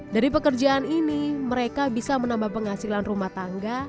dari pekerjaan ini mereka bisa menambah penghasilan rumah tangga